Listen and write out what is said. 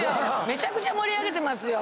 めちゃくちゃ盛り上げてますよ。